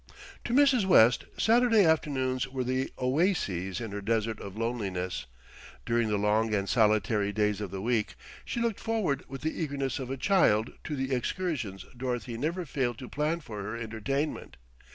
To Mrs. West, Saturday afternoons were the oases in her desert of loneliness. During the long and solitary days of the week, she looked forward with the eagerness of a child to the excursions Dorothy never failed to plan for her entertainment.